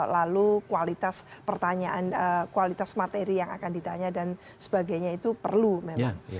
lalu kualitas pertanyaan kualitas materi yang akan ditanya dan sebagainya itu perlu memang